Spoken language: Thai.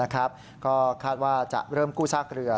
ก็คาดว่าจะเริ่มกู้ซากเรือ